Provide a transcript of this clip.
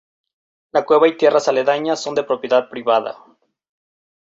La cueva y tierras aledañas son de propiedad privada.